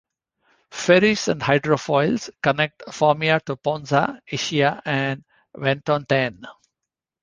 Ferries and hydrofoils connect Formia to Ponza, Ischia and Ventotene.